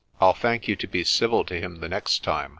I'll thank you to be civil to him the next time."